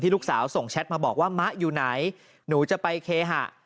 ลูกสาวส่งแชทมาบอกว่ามะอยู่ไหนหนูจะไปเคหะ